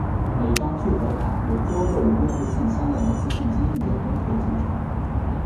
每一张聚合卡由多个与用户线相连的计算机硬件端口组成。